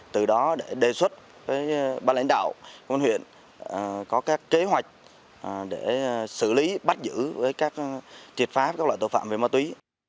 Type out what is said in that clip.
từ đó để đề xuất với ban lãnh đạo của huyện có các kế hoạch để xử lý bắt giữ triệt phá các loại tội phạm về ma túy